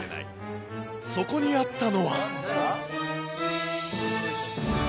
そこにあったのは。